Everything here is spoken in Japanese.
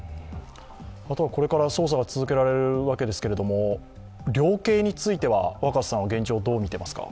あとは、これから捜査が続けられるわけですけど量刑については若狭さんは現状、どう見てますか？